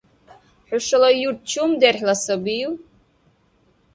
ХӀушала юрт чум дерхӀла сабив?